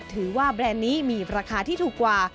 แบรนด์นี้มีราคาที่ถูกกว่า